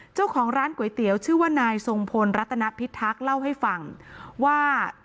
เจ้าของร้านก๋วยเตี๋ยวชื่อว่านายทรงพลรัตนพิทักษ์เล่าให้ฟังว่า